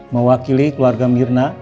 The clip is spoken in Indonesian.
mewakili keluarga mirna